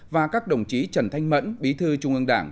và các đồng chí trần thanh mẫn bí thư trung ương đảng